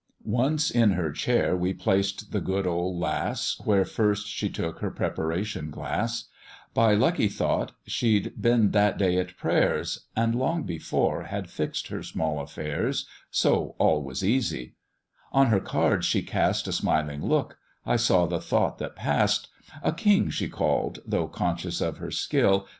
"Once in her chair we'd placed the good old lass, Where first she took her preparation glass; By lucky thought she'd been that day at prayers, And long before had fix'd her small affairs, So all was easy on her cards she cast A smiling look; I saw the thought that pass'd: 'A king,' she call'd though conscious of her skill.